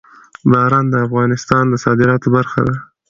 باران د افغانستان د صادراتو برخه ده.